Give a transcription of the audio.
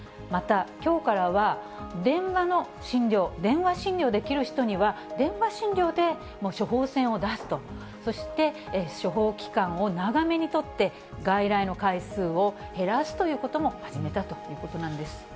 またきょうからは、電話の診療、電話診療できる人には電話診療で処方箋を出すと、そして処方期間を長めに取って、外来の回数を減らすということも始めたということなんです。